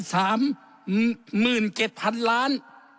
สามหมื่นเจ็ดพันล้าน